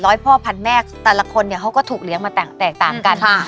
ร้อยพ่อพันแม่แต่ละคนเนี่ยเขาก็ถูกเลี้ยงมาต่างแตกต่างกัน